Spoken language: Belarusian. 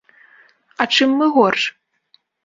А чым мы горш?